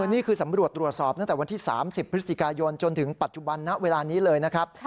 นี่คือสำรวจตรวจสอบตั้งแต่วันที่๓๐พฤศจิกายนจนถึงปัจจุบันณเวลานี้เลยนะครับ